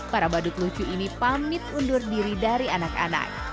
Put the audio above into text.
para badut lucu ini pamit undur diri dari anak anak